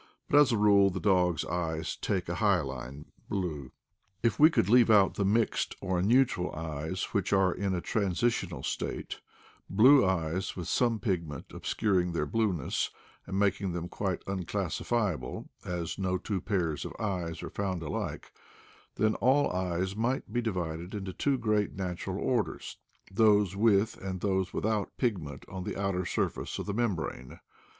But as a rule the dog's eyes take a hyaline blue. If we could leave out the mixed or neutral eyes, which are in a transitional state — blue eyes with some pigment obscuring their blueness, and mak ing them quite unclassifiable, as no two pairs of eyes are found alike — then all eyes might be di vided into two great natural orders, those with and those without pigment on the outer surface of the membrane.